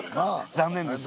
残念です。